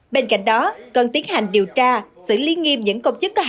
bên cạnh đó cần tiến hành điều tra xử lý nghiêm những công chức